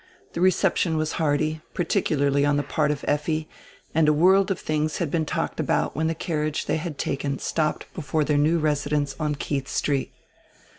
The reception was hearty, particularly on die part of Effi, and a world of things had been talked about when tire carriage diey had taken stopped before dieir new residence on Keidi street.